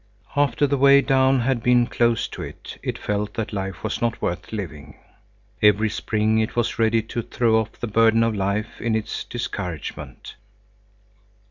After the way down had been closed to it, it felt that life was not worth living. Every spring it was ready to throw off the burden of life in its discouragement.